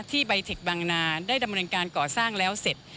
ใบเทคบางนาได้ดำเนินการก่อสร้างแล้วเสร็จ